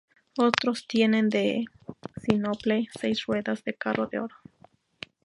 Otros tienen: De sinople, seis ruedas de carro, de oro.